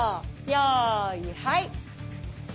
よーいはい。